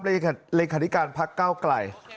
รายการภาคเก้าไกล